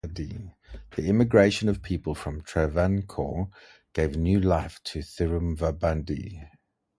The immigration of people from Travancore gave new life to Thiruvambady.